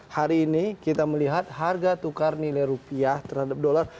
hari ini kita melihat harga tukar nilai rupiah terhadap dolar